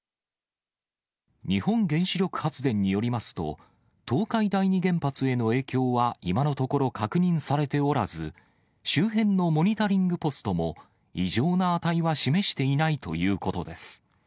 日本原子力発電によりますと、東海第二原発への影響は今のところ確認されておらず、周辺のモニタリングポストも、異常な値は示していないということです。